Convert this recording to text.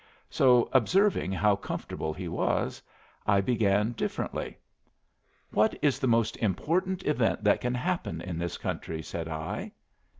So, observing how comfortable he was, I began differently. "What is the most important event that can happen in this country?" said I.